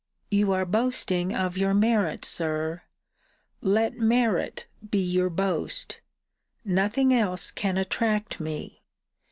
You are boasting of your merits, Sir: let merit be your boast; nothing else can attract me.